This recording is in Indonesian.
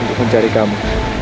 untuk mencari kamu